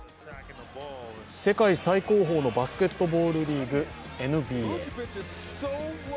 世界最高峰のバスケットボールリーグ、ＮＢＡ。